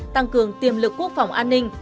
tăng cường tiềm lực quốc phòng an ninh